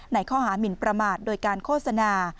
ในข้อหามินประมาทโดยการโฆษณา